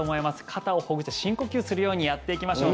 肩をほぐして深呼吸するようにやっていきましょう。